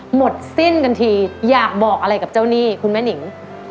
หมดสิ้นกันทีอยากบอกอะไรกับเจ้าหนี้คุณแม่นิง